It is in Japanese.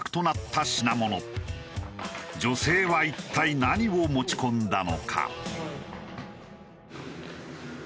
女性は一体何を持ち込んだのか？